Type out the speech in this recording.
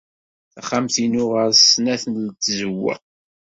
Taxxamt-inu ɣer-s snat n tzewwa.